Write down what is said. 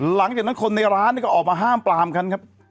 หลังจากนั้นคนในร้านก็ออกมาห้ามปลามกันครับ